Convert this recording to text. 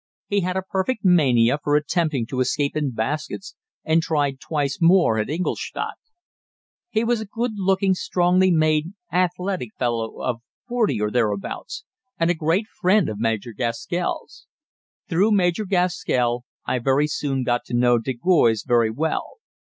He had a perfect mania for attempting to escape in baskets, and tried twice more at Ingolstadt. He was a good looking, strongly made, athletic fellow of forty or thereabouts, and a great friend of Major Gaskell's. Through Major Gaskell I very soon got to know de Goys very well.